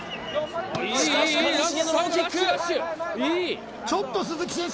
しかし一茂のローキックちょっと鈴木選手